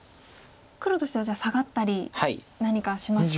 黒としてはじゃあサガったり何かしますか？